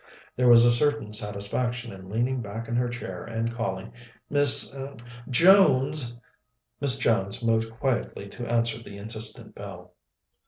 There was a certain satisfaction in leaning back in her chair and calling, "Miss er Jones!" Miss Jones moved quietly to answer the insistent bell.